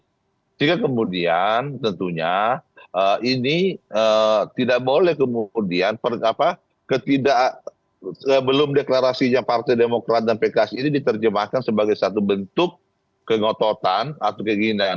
ketika kemudian tentunya ini tidak boleh kemudian ketidak sebelum deklarasinya partai demokrat dan pks ini diterjemahkan sebagai satu bentuk kengototan atau kegindahan